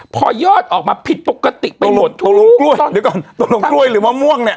พอยอดออกมาผิดปกติไปหมดตัวลงกล้วยเดี๋ยวก่อนตกลงกล้วยหรือมะม่วงเนี่ย